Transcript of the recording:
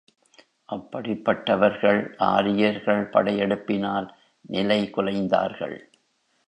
அப்படிப்பட்டவர்கள் ஆரியர்கள் படையெடுப்பினால் நிலைகுலைந்தார்கள்.